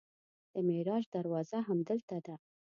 د معراج دروازه همدلته ده.